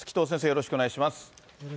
よろしくお願いします。